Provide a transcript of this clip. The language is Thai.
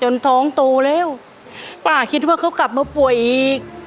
ท้องโตแล้วป้าคิดว่าเขากลับมาป่วยอีก